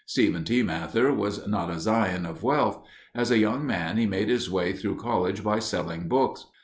Stephen T. Mather was not a scion of wealth. As a young man, he made his way through college by selling books.